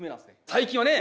最近はね